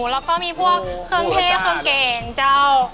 แล้วก็มีพวกเครื่องเท่เครื่องแกงเจ้า